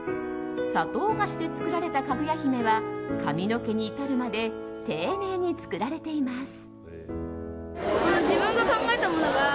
砂糖菓子で作られたかぐや姫は髪の毛に至るまで丁寧に作られています。